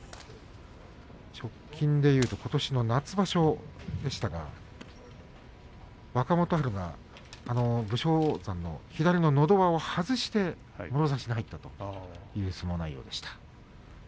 直近でいうとことしの夏場所でしたが若元春が武将山の左ののど輪を外してもろ差しに入ったという相撲内容でした。